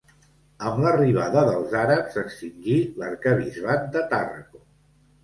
Amb l'arribada dels àrabs, s'extingí l'arquebisbat de Tàrraco.